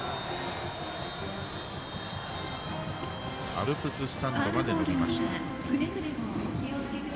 アルプススタンドまで伸びました。